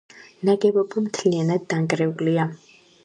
ნაგებობა მთლიანად დანგრეულია.